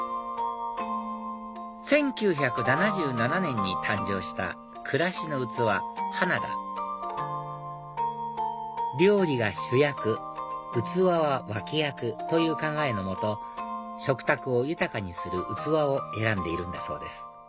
１９７７年に誕生した暮らしのうつわ花田料理が主役器は脇役という考えの下食卓を豊かにする器を選んでいるんだそうです